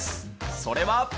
それは。